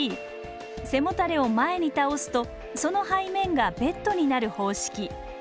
背もたれを前に倒すとその背面がベッドになる方式。